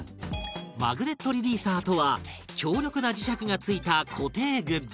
マグネットリリーサーとは強力な磁石が付いた固定グッズ